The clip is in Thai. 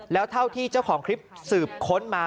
แล้วเท่าที่เจ้าของคลิปสืบค้นมา